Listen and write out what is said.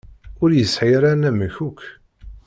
Ur yesɛi ara anamek akk.